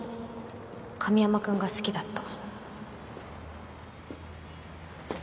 神山くんが好きだった